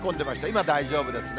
今、大丈夫ですね。